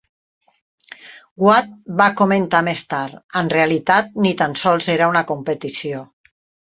Watt va comentar més tard: "En realitat ni tan sols era una competició".